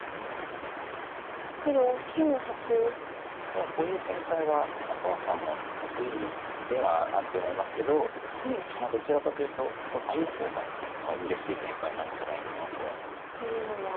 でもこういう展開は孫さんも得意ではあると思いますけどどちらかというと蘇さんの方がうれしい展開なんじゃないかなとは。というのは。